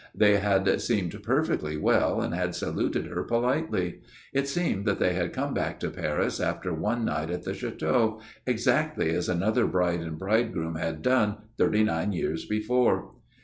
They had seemed perfectly well, and had saluted her politely. It seemed that they had. come back to Paris after one night at the chateau, exactly as another bride and bridegroom had done thirty nine years before.